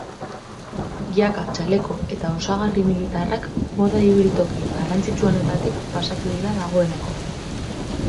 Jaka, txaleko eta osagarri militarrak moda ibiltoki garrantzitsuenetatik pasatu dira dagoeneko.